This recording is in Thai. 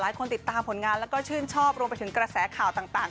ติดตามผลงานแล้วก็ชื่นชอบรวมไปถึงกระแสข่าวต่าง